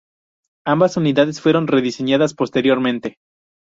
Ambas unidades fueron rediseñadas posteriormente.